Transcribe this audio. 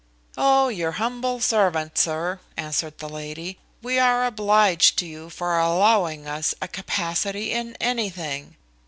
"Oh, your humble servant, sir," answered the lady: "we are obliged to you for allowing us a capacity in anything.